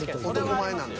男前なんで。